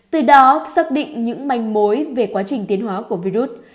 từ đó xác định những manh mối về quá trình tiến hóa của virus